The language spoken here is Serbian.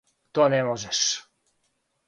То не можеш!